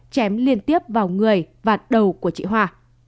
chém liên tiếp vào người và đầu của chị hoa